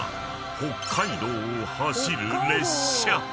［北海道を走る列車］